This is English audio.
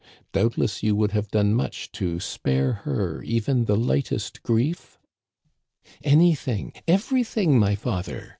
Doubtless you would have done much to spare her even the lightest grief?' "* Anything, everything, my father